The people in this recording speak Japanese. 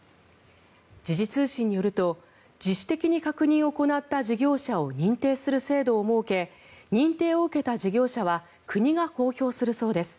時事通信によると自主的に確認を行った事業者を認定する制度を設け認定を受けた事業者は国が公表するそうです。